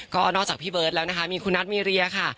ก็นอกจากพี่เบิร์ตแล้วนะคะมีคุณนัทมีเรียค่ะ